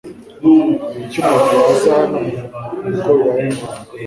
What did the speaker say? Kuki umuntu yaza hano kuko bibaye ngombwa